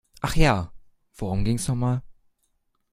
Ach ja, worum ging es noch mal?